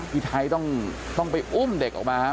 พี่ไทยต้องไปอุ้มเด็กออกมาครับ